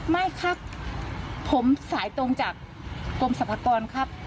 ไม่ครับผมสายตรงจากกรมสรรพากรครับ